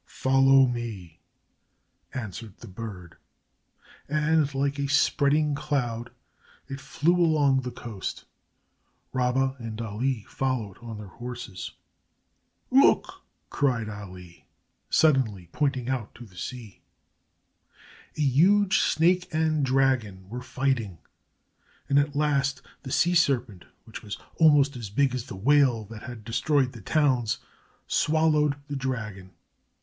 "Follow me," answered the bird, and like a spreading cloud it flew along the coast. Rabba and Ali followed on their horses. "Look," cried Ali, suddenly, pointing out to sea. A huge snake and dragon were fighting, and at last the sea serpent, which was almost as big as the whale that had destroyed the towns, swallowed the dragon.